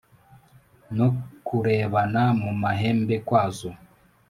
no kurebana mumahembe kwazo"